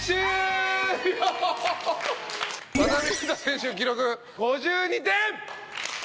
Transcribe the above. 渡邊雄太選手の記録５２点！